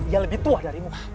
ia lebih tua darimu